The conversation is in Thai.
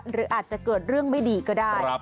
หรืออาจจะเกิดเรื่องไม่ดีก็ได้